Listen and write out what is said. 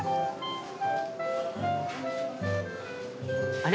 あれ？